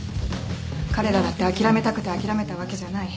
彼らだって諦めたくて諦めたわけじゃない。